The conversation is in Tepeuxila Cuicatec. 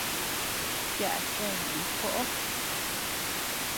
Yaʼa chenu koʼo.